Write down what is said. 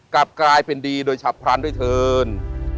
กลับกลายเป็นดีโดยฉับพลันด้วยเถิน